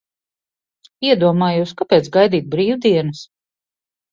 Iedomājos, kāpēc gaidīt brīvdienas?